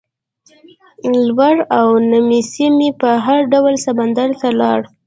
لور او نمسۍ مې په هر ډول سمندر ته لاړې.